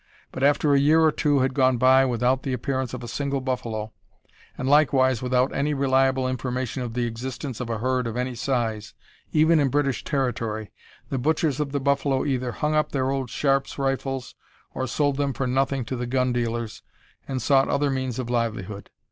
But after a year or two had gone by without the appearance of a single buffalo, and likewise without any reliable information of the existence of a herd of any size, even in British territory, the butchers of the buffalo either hung up their old Sharps rifles, or sold them for nothing to the gun dealers, and sought other means of livelihood.